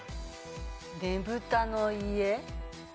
ねぶたの家。